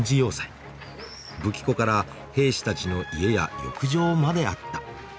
武器庫から兵士たちの家や浴場まであった。